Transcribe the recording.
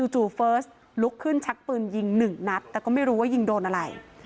จู่เฟิร์สลุกขึ้นชักปืนยิงหนึ่งนัดแต่ก็ไม่รู้ว่ายิงโดนอะไร